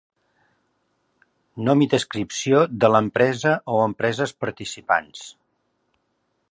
Nom i descripció de l'empresa o empreses participants.